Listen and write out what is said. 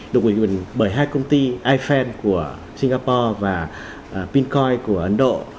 được gửi quyền bởi hai công ty ifan của singapore và pincoin của ấn độ